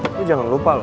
eh lo jangan lupa loh